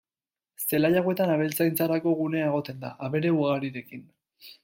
Zelai hauetan abeltzaintzarako gunea egoten da, abere ugarirekin.